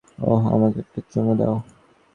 ওহ, আমাকে একটা চুমু দাও।